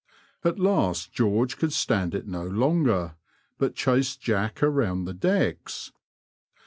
At last George could stand it no longer, but chased Jack round the decks.